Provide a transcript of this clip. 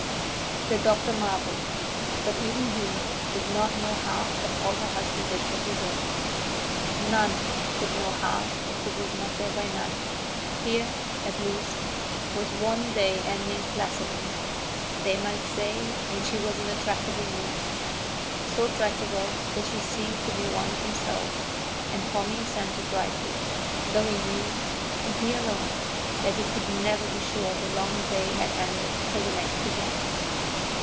The doctor marvelled, but even he did not know the half of all her husband did for Grizel. None could know half who was not there by night. Here, at least, was one day ending placidly, they might say when she was in a tractable mood, so tractable that she seemed to be one of themselves, and Tommy assented brightly, though he knew, and he alone, that you could never be sure the long day had ended till the next began.